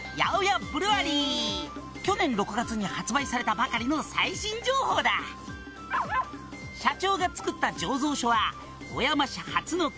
「去年６月に発売されたばかりの最新情報だ」「社長が造った醸造所は」